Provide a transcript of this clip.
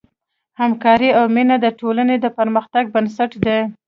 همکاري او مینه د ټولنې د پرمختګ بنسټ دی.